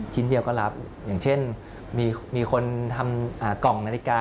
ชิ้นเดียวก็รับอย่างเช่นมีคนทำกล่องนาฬิกา